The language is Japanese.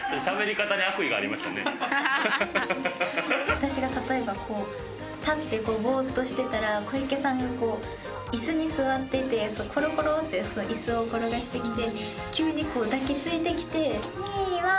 「私が例えば立ってボーッとしてたら小池さんが椅子に座っててコロコロって椅子を転がしてきて」